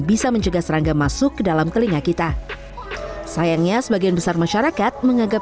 bisa mencegah serangga masuk ke dalam telinga kita sayangnya sebagian besar masyarakat menganggap